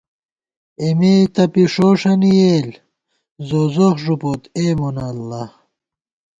اېمے تپی ݭوݭَنی یېل، زوزوخ ݫپوت اے مونہ اللہ